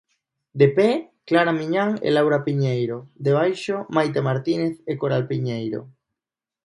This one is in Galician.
De pé, Clara Miñán e Laura Piñeiro; debaixo, Maite Martínez e Coral Piñeiro.